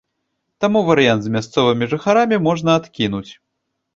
Таму варыянт з мясцовымі жыхарамі можна адкінуць.